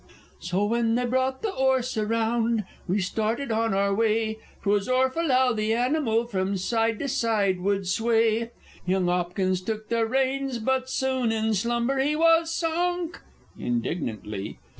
_ So, when they brought the 'orse round, we started on our way: 'Twas 'orful 'ow the animal from side to side would sway! Young 'Opkins took the reins, but soon in slumber he was sunk (_Indignantly.